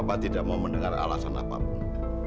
papa tidak mau mendengar alasan apa pun